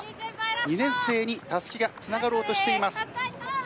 ２年生にたすきがつながろうとしています。